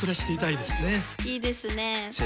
いいですね。